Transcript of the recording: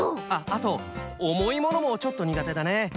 あとおもいものもちょっとにがてだね。